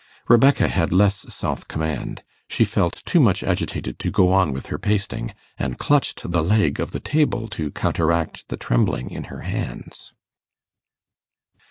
Rebecca had less self command. She felt too much agitated to go on with her pasting, and clutched the leg of the table to counteract the trembling in her hands.